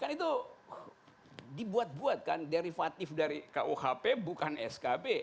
kan itu dibuat buat kan derivatif dari kuhp bukan skb